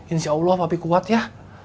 insya allah bapi kuat ya